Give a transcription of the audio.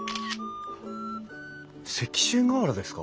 石州瓦ですか？